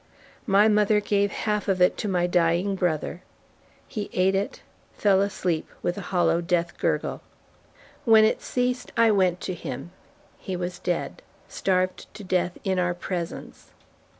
My mother gave half of it to my dying brother; he ate it, fell asleep with a hollow death gurgle. When it ceased I went to him he was dead starved to death in our presence.